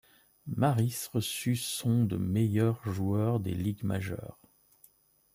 Maris reçut son de meilleur joueur des ligues majeures.